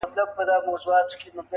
کاغذ باد ئې په هوا کړی وو.